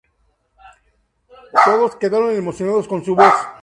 Todos quedaron emocionados con su voz.